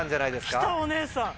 来たお姉さん。